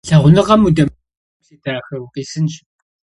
Лъагъуныгъэм удэмыджэгу, си дахэ, укъисынщ.